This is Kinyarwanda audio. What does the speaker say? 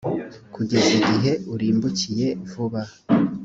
kugeza igihe urimbukiye vuba